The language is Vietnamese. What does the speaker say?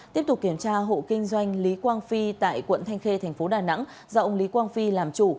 tiếp tục kiểm tra hộ kinh doanh lý quang phi tại quận thanh khê thành phố đà nẵng do ông lý quang phi làm chủ